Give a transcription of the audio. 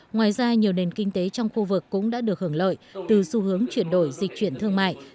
ngoài ra nhiều nền kinh tế trong khu vực cũng đã được hưởng lợi từ xu hướng chuyển đổi dịch chuyển thương mại